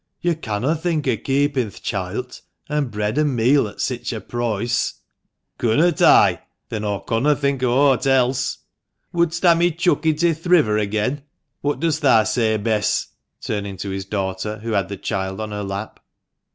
"Yo canno' think o' keeping th' choilt, an' bread an' meal at sich a proice !"" Connot oi ? Then aw conno' think o1 aught else. Wouldst ha' me chuck it i' th' river agen ? What does thah say, Bess?" turning to his daughter, who had the child on her lap.